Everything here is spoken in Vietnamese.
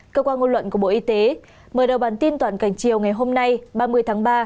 cơ quan ngôn luận của bộ y tế mở đầu bản tin toàn cảnh chiều ngày hôm nay ba mươi tháng ba